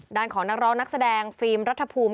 ของนักร้องนักแสดงฟิล์มรัฐภูมิ